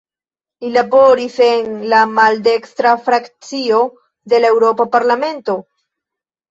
Li laboris en la maldekstra frakcio de la Eŭropa Parlamento.